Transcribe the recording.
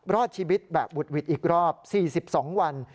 รอดชีวิตแบบบุดหวิดอีกรอบ๔๒วัน